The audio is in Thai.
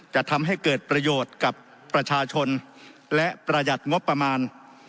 จะทำให้เกิดประโยชน์กับประชาชนและประหยัดงบประมาณ